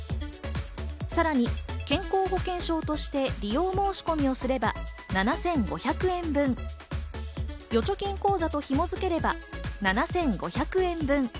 さらに健康保険証として利用申し込みをすれば７５００円分、預貯金口座と紐づければ７５００円分。